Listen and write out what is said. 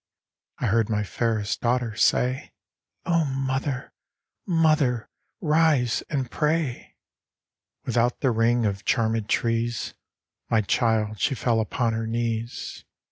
" I heard my fairest daughter say :" O Mother, Mother, rise and pray !" Without the ring of charmed trees My child she fell upon her knees.